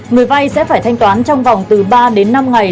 người vay sẽ phải thanh toán trong vòng từ ba đến năm ngày